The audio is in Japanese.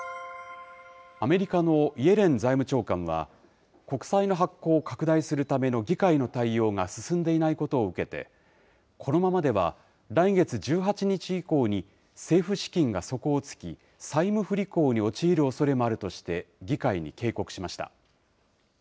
アメリカのイエレン財務長官は、国債の発行を拡大するための議会の対応が進んでいないことを受けて、このままでは来月１８日以降に政府資金が底をつき、債務不履行に陥るおそれもあるとして、議会に警告しました。